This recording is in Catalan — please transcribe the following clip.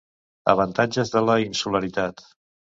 Avantatges de la insularitat.